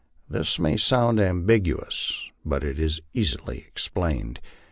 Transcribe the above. This may sound ambiguous, but is easily explained.